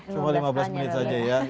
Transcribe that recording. cuma lima belas menit saja ya